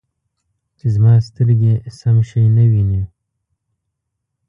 زما سترګې سم شی نه وینې